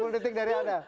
tiga puluh detik dari anda